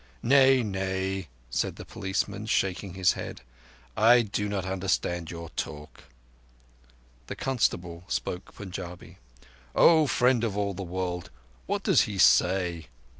"Nay, nay," said the policeman, shaking his head. "I do not understand your talk." The constable spoke Punjabi. "O Friend of all the World, what does he say?"